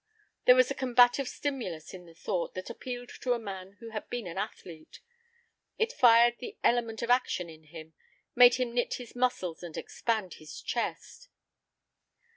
There was a combative stimulus in the thought that appealed to a man who had been an athlete. It fired the element of action in him, made him knit his muscles and expand his chest.